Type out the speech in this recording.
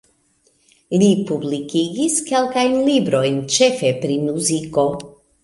Li publikigis kelkajn librojn ĉefe pri muziko.